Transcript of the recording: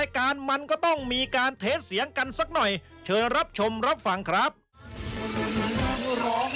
เจ้าเพิ่มตาดำป๊าแจ้งจางปังป๊าแจ้งจางปัง